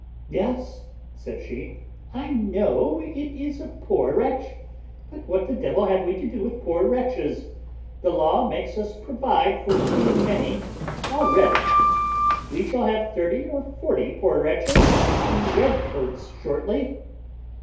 "Yes," says she, "I know it is a poor wretch; but what the devil have we to do with poor wretches? The law makes us provide for too many already. We shall have thirty or forty poor wretches in red coats shortly."